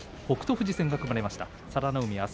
富士戦が組まれました。